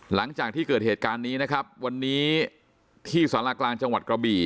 หลังจากที่เกิดเหตุการณ์นี้นะครับวันนี้ที่สารากลางจังหวัดกระบี่